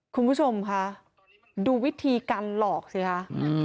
คุณผู้ชมค่ะดูวิธีการหลอกสิคะ